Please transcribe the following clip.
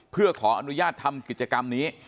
เพื่อขออนุญาตทำกิจกรรมนี้